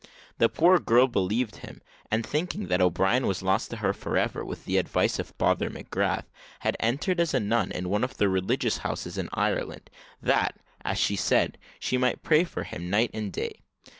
The poor girl believed him, and thinking that O'Brien was lost to her for ever, with the advice of Father McGrath, had entered as a nun in one of the religious houses in Ireland, that, as she said, she might pray for him night and day.